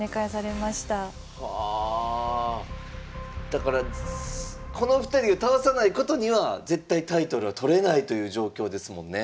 だからこの２人を倒さないことには絶対タイトルは取れないという状況ですもんね。